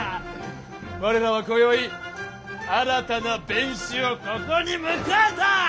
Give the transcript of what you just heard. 我らはこよい新たな弁士をここに迎えた！